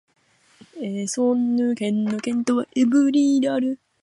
エソンヌ県の県都はエヴリーである